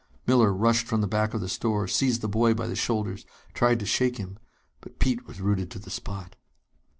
Miller rushed from the back of the store, seized the boy by the shoulders, tried to shake him. But Pete was rooted to the spot.